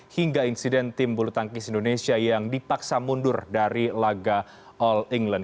hingga insiden tim bulu tangkis indonesia yang dipaksa mundur dari laga all england